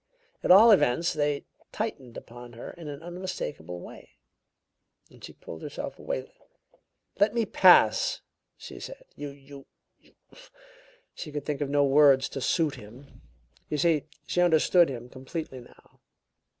At all events, they tightened upon her in an unmistakable way. She pulled herself away. 'Let me pass!' she said. 'You you !' she could think of no words to suit him. You see, she understood him completely, now.